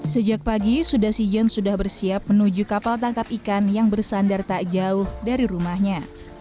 sejak pagi sudasi yen sudah bersiap menuju kapal tangkap ikan yang bersandar tak jauh dari rumahnya